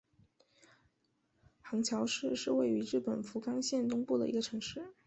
行桥市是位于日本福冈县东部的一个城市。